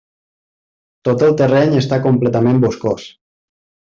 Tot el terreny està completament boscós.